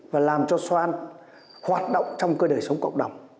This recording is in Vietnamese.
và làm cho soan hoạt động trong cái đời sống cộng đồng